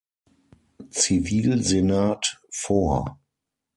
Zivilsenat vor.